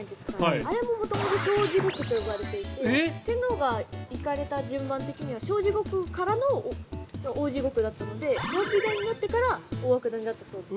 あれも、もともと小地獄と呼ばれていて天皇が行かれた順番的には小地獄からの大地獄だったので小涌谷になってから大涌谷になったそうです。